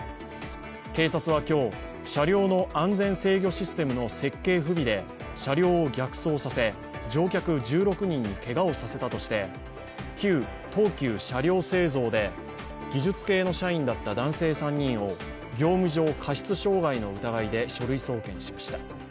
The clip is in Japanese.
警察は今日、車両の安全制御システムの設計不備で車両を逆走させ、乗客１６人にけがをさせたとして旧東急車輛製造で技術系の社員だった男性３人を業務上過失傷害の疑いで書類送検しました。